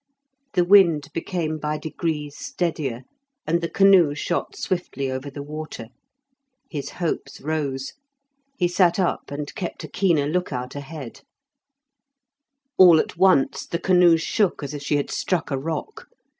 The wind became by degrees steadier, and the canoe shot swiftly over the water. His hopes rose; he sat up and kept a keener look out ahead. All at once the canoe shook as if she had struck a rock.